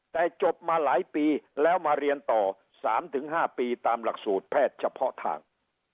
แต่จบมาหลายปีแล้วมาเรียนต่อ๓๕ปีตามหลักสูตรแพทย์เฉพาะทาง